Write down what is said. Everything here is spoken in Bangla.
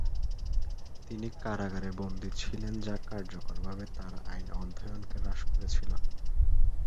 তিনি কারাগারে বন্দী ছিলেন, যা কার্যকরভাবে তাঁর আইন অধ্যয়নকে হ্রাস করেছিল।